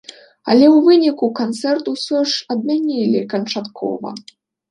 Але ў выніку канцэрт усё ж адмянілі канчаткова.